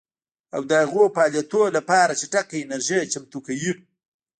او د هغو فعالیتونو لپاره چټکه انرژي چمتو کوي